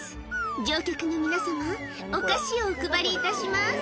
乗客の皆様、お菓子をお配りいたします。